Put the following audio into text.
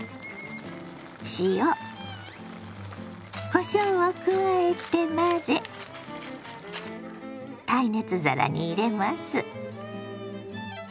塩こしょうを加えて混ぜ耐熱皿に入れます。